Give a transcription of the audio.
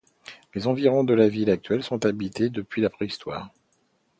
Les environs de la ville actuelle sont habités depuis la préhistoire.